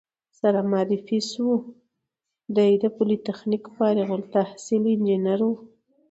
سره معرفي شوو، دی د پولتخنیک فارغ التحصیل انجینر و.